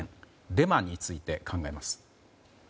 デマについて考えます。